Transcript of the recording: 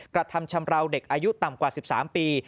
กระทำชำราวเด็กอายุต่ำกว่า๑๓ปี